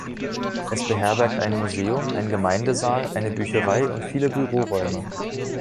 Es beherbergt ein Museum, einen Gemeindesaal, eine Bücherei und viele Büroräume.